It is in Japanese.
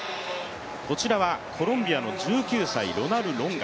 こちらはコロンビアの１９歳、ロナル・ロンガ。